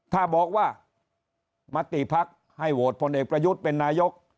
ถ้าบอกว่ามติภักดิ์ให้โหวตพลเอกประยุทธ์เป็นนายก